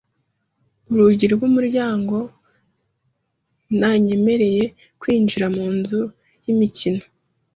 Urugi rw'umuryango ntanyemereye kwinjira mu nzu y'imikino.